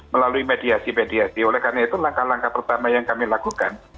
melalui mediasi mediasi oleh karena itu langkah langkah pertama yang kami lakukan